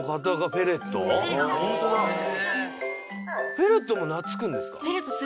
フェレットも懐くんですか？